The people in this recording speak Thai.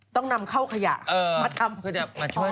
ต้องนำเข้าขยะมาทำ